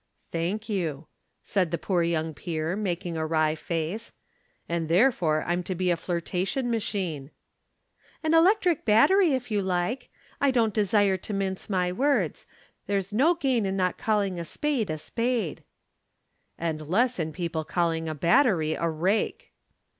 "Thank you," said the poor young peer, making a wry face. "And therefore I'm to be a flirtation machine." "An electric battery if you like. I don't desire to mince my words. There's no gain in not calling a spade a spade." "And less in people calling a battery a rake."